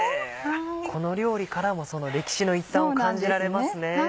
この料理からもその歴史の一端を感じられますね。